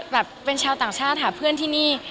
แบบเป็นชาวต่างชาติหาเพื่อนที่นี่